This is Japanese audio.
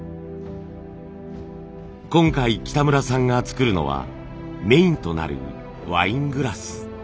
今回北村さんが作るのはメインとなるワイングラス。